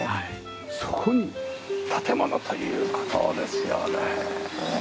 そこに建物という事ですよね。